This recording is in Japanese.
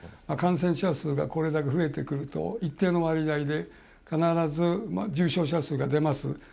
感染者数がこれだけ増えてくると一定の割合で必ず重症者数が出ます。